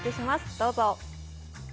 どうぞ。